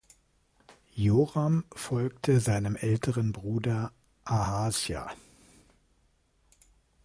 Joram folgte seinem älteren Bruder Ahasja.